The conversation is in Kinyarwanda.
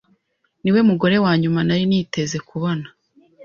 Niwe mugore wanyuma nari niteze kubona.